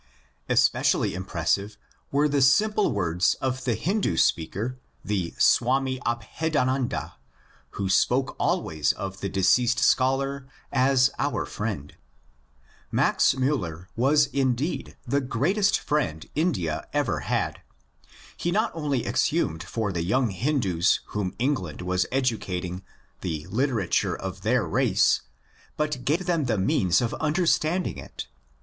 Especially impressive were the simple words of the Hindu speaker, the Swami Abhedananda, who spoke always of the deceased scholar as ^' our friend." Max Miiller was indeed MAX MULLER 309 the greatest friend India ever had. He not only exhumed for the young Hindus whom England was educating the literature of their race, but gave them the means of understanding it.